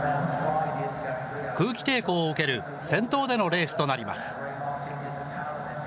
空気抵抗を受ける先頭でのレースとなります。